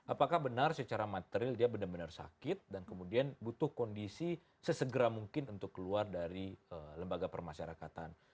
apakah benar secara material dia benar benar sakit dan kemudian butuh kondisi sesegera mungkin untuk keluar dari lembaga permasyarakatan